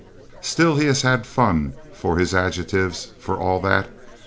Still he has had fun for his adjectives for all that.